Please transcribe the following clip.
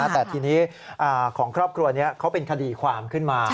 แต่ทีนี้ของครอบครัวนี้เขาเป็นคดีความขึ้นมา